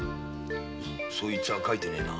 そいつは書いてねえな。